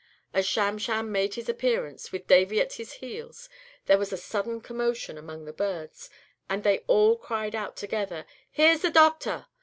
As Sham Sham made his appearance, with Davy at his heels, there was a sudden commotion among the birds, and they all cried out together, "Here's the doctor!"